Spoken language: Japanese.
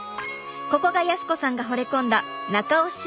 ここが靖子さんがほれ込んだ中尾集落。